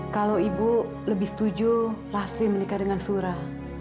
kalau ibu lebih setuju pasti menikah dengan surah